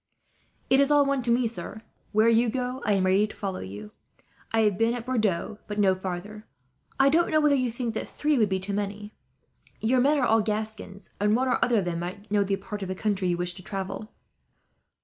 "It is all one to me, sir. Where you go, I am ready to follow you. I have been at Bordeaux, but no farther south. "I don't know whether you think that three would be too many. Your men are all Gascons, and one or other of them might know the part of the country you wish to travel."